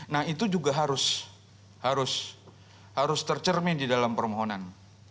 nah itu juga harus tercermin di dalam permohonan